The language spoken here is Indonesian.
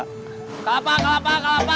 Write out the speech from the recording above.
kelapa kelapa kelapa